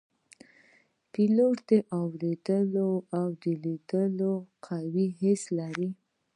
پیلوټ د اوریدو او لیدو قوي حس لري.